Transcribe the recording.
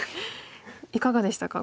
いかがでしたか